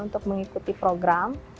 untuk mengikuti program